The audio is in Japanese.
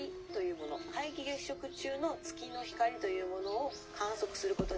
「皆既月食中の月の光というものを観測することに」。